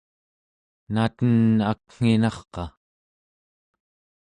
naten aknginarqa?